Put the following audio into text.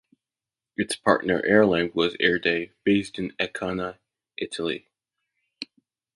Its partner airline was Airday, based in Ancona, Italy.